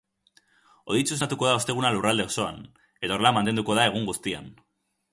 Hodeitsu esnatuko da osteguna lurralde osoan, eta horrela mantenduko da egun guztian.